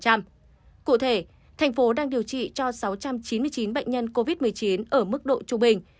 cụ thể thành phố đang điều trị cho sáu trăm chín mươi chín bệnh nhân covid một mươi chín ở mức độ trung bình